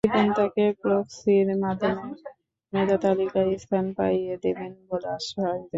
রিপন তাকে প্রক্সির মাধ্যমে মেধা তালিকায় স্থান পাইয়ে দেবেন বলে আশ্বাস দেন।